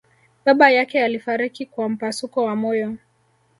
baba yake alifariki kwa mpasuko wa moyo